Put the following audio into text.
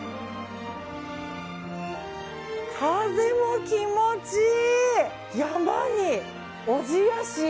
風も気持ちいい！